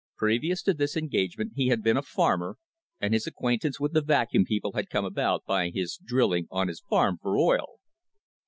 Previous to this engagement he had been a farmer, and his acquaintance with the Vacuum people had come about by his drilling on his farm for oil.